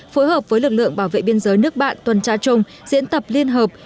phối hợp với lực lượng bảo vệ biên giới nước bạn tuần tra chung diễn tập liên hợp